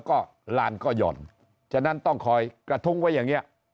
ก็ลานก็หย่อนฉะนั้นต้องคอยกระทุ้งไว้อย่างนี้